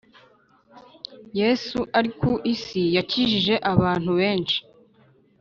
Yesu ari ku isi yakijije abantu benshi .